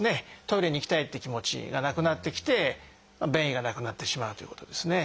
トイレに行きたいって気持ちがなくなってきて便意がなくなってしまうということですね。